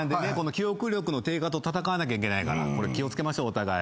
記憶力の低下と闘わなきゃいけないからこれ気を付けましょうお互い。